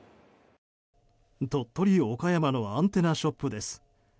鳥取・岡山のアンテナショップです。